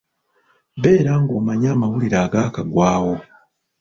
Beera ng'omanya amawulire agaakagwawo.